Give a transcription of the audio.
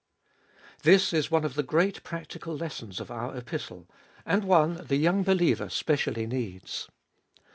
This is one of the great practical lessons of our Epistle, and one the young believer Gbe Ibolfeet of specially needs.